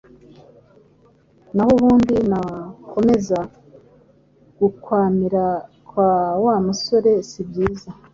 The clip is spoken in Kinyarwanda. Na ho ubundi nukomeza gukwamira kwa wa musore sibyiza